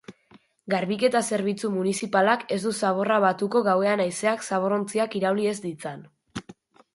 Garbiketa zerbitzu munizipalak ez du zaborra batuko gauean haizeak zabor-ontziak irauli ez ditzan.